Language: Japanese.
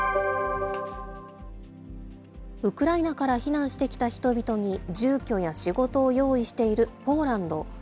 ウクライナから避難してきた人々に住居や仕事を用意しているポーランド。